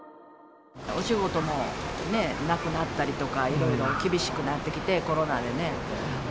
お仕事もなくなったりとか、いろいろ厳しくなってきて、コロナでね。